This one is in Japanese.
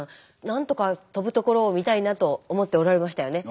なんとか飛ぶところを見たいなと思っておられましたよね？